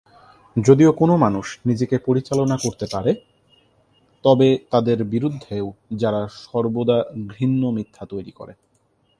যদিও কোন মানুষ নিজেকে পরিচালনা করতে পারে তবে তাদের বিরুদ্ধেও যারা সর্বদা ঘৃণ্য মিথ্যা তৈরি করে।